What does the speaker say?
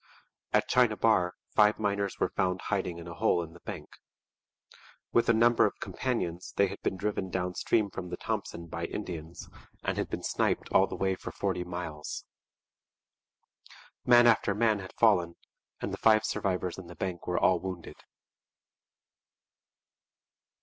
At China Bar five miners were found hiding in a hole in the bank. With a number of companions they had been driven down stream from the Thompson by Indians and had been sniped all the way for forty miles. Man after man had fallen, and the five survivors in the bank were all wounded.